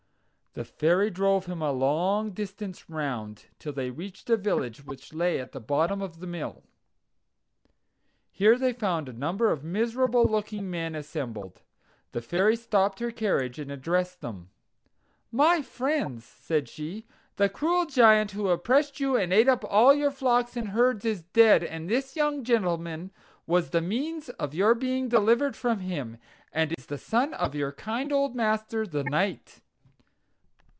The Fairy drove him a long distance round, till they reached a village which lay at the bottom of the mill. Here they found a number of miserable looking men assembled. The Fairy stopped her carriage and addressed them: "My friends," said she, "the cruel Giant who oppressed you and ate up all your flocks and herds is dead, and this young gentleman was the means of your being delivered from him, and is the son of your kind old master, the knight."